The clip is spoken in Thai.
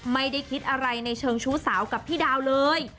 ไม่ได้คิดอะไรในเชิงชู้สาวกับพี่ดาวเลย